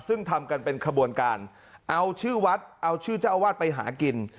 ซึ่งทำกันเป็นขบวนการเอาชื่อวัดเอาชื่อเจ้าอาวาสไปหากิน